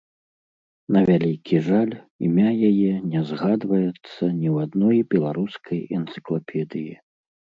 На вялікі жаль, імя яе не згадваецца ні ў адной беларускай энцыклапедыі.